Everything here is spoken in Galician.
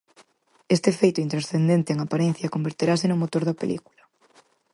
Este feito intranscendente en aparencia converterase no motor da película.